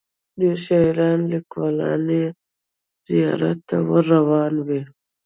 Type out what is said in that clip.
ډیر شاعران لیکوالان یې زیارت ته ور روان وي.